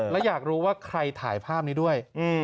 และอยากรู้ว่าใครถ่ายภาพนี้ด้วย